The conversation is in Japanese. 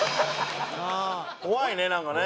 怖いねなんかね。